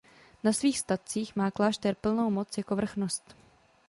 Na svých statcích má klášter plnou moc jako vrchnost.